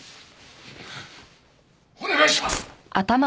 お願いします！